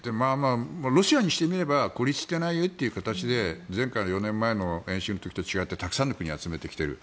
ロシアにしてみれば孤立してないよという形で前回４年前の演習の時と違ってたくさんの国を集めてきている。